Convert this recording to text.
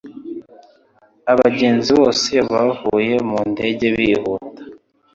Abagenzi bose bavuye mu ndege bihuta.